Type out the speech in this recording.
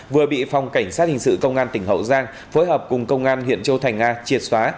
vừa bị phòng cảnh sát hình sự công an tỉnh hậu giang phối hợp cùng công an huyện châu thành a triệt xóa